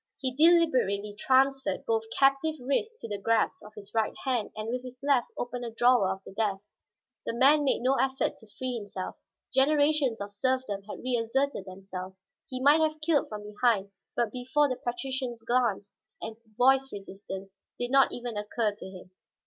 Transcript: He deliberately transferred both captive wrists to the grasp of his right hand and with his left opened a drawer of the desk. The man made no effort to free himself. Generations of serfdom had reasserted themselves; he might have killed from behind, but before the patrician's glance and voice resistance did not even occur to him.